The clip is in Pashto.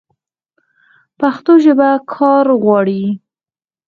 پښتو ژبه کار غواړي.